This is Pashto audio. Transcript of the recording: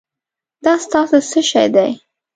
دا ستاسو څه شی دی؟